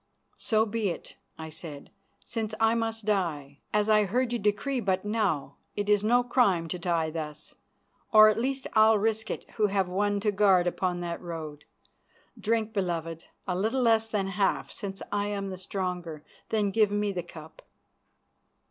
"So be it," I said. "Since I must die, as I heard you decree but now, it is no crime to die thus, or at least I'll risk it who have one to guard upon that road. Drink, beloved, a little less than half since I am the stronger. Then give me the cup."